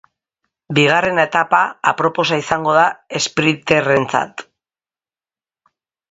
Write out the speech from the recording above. Bigarren etapa aproposa izango da esprinterrentzat.